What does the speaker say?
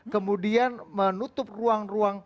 kemudian menutup ruang ruang